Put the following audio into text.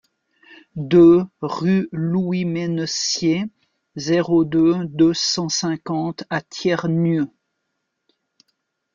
deux rue Louis Mennessier, zéro deux, deux cent cinquante à Thiernu